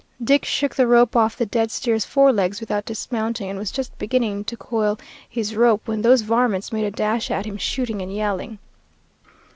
Dick shook the rope off the dead steer's forelegs without dismounting, and was just beginning to coil his rope when those varmints made a dash at him, shooting and yelling.